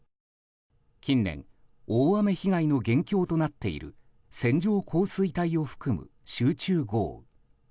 近年、大雨被害の元凶となっている線状降水帯を含む集中豪雨。